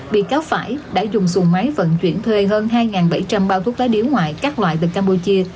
bị cáo phải đã dùng xuồng máy vận chuyển thuê hơn hai bảy trăm linh bao thuốc lá điếu ngoại các loại từ campuchia